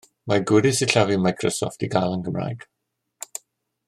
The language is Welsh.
Mae gwirydd sillafu Microsoft i gael yn Gymraeg.